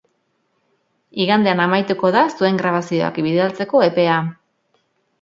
Igandean amaituko da zuen grabazioak bidaltzeko epea!